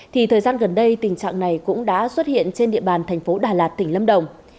thì thời gian gần đây tình trạng này cũng đã xuất hiện trên địa bàn thành phố đà lạt tỉnh lâm đồng